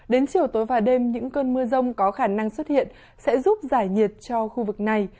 đến chiều tối và đêm những cơn mưa rông có khả năng xuất hiện sẽ giúp giải nhiệt cho khu vực này